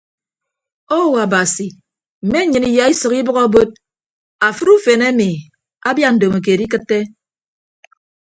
Ou abasi mme nnyịn iyaisʌk ibʌk abod afịd ufen emi abia ndomokeed ikịtte.